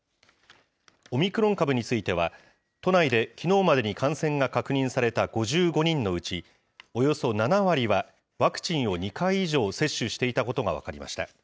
オミクロン株については、都内できのうまでに感染が確認された５５人のうち、およそ７割はワクチンを２回以上接種していたことが分かりました。